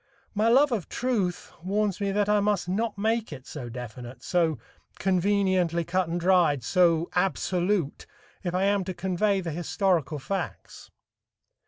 My love of truth warns me that I must not make it so definite, so conveniently cut and dried, so absolute if I am to convey the historical facts.